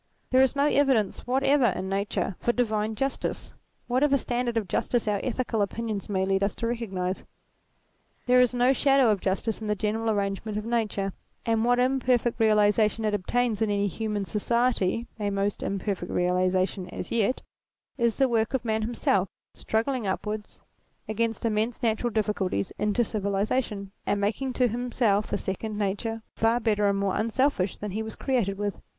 There is no evidence whatever in Nature for divine j ustice, whatever standard of justice our ethical opinions may lead us to recognize. There is no shadow of justice in the general arrangements of Nature ; and what imperfect realization it obtains in any human society (a most imperfect realization as yet) is the work of man himself, struggling upwards against immense natural difficulties, into civilization, and making to himself a second nature, far better and more unselfish than he was created with.